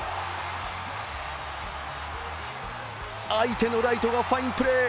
相手のライトがファインプレー。